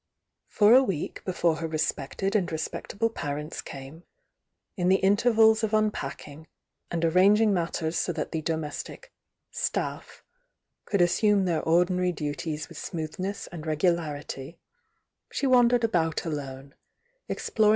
For a week before her r^! V!^^ ""* respectable parents came, in the inter vals of unpacking, and arranging matters so that the domestic "staff" could assume tiieir ordinary^duties with smoothness and regularity, she wander^ about W fhin'^flT/ ^^^